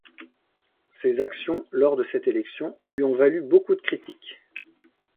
Ses actions lors de cette élection lui ont valu beaucoup de critiques.